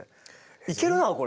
いけるなあこれ。